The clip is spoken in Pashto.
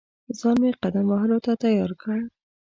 ځان مې قدم وهلو ته تیار کړ.